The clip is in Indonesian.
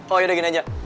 oh yaudah gini aja